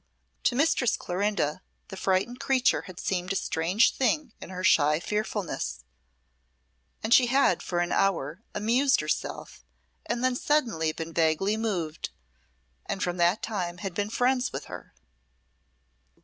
To Mistress Clorinda the frightened creature had seemed a strange thing in her shy fearfulness, and she had for an hour amused herself and then suddenly been vaguely moved, and from that time had been friends with her.